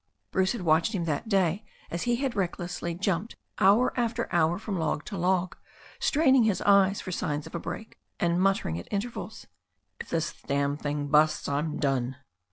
Bruce had watched him that day as he had recklessly jumped hour after hour from log to log, straining his eyes for signs of a break, and muttering at in tervals, "If this damned thing busts, I'm done."